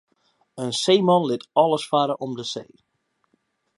In seeman lit alles farre om de see.